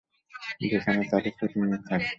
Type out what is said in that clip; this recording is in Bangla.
সেখানে তাদের প্রতিনিধি থাকত।